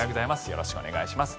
よろしくお願いします。